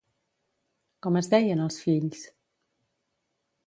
Com es deien els fills?